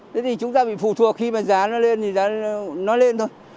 thế thì chúng ta bị phụ thuộc khi mà giá nó lên thì giá nó lên thôi